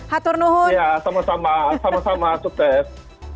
hatur nuhun ya sama sama sama sama sukses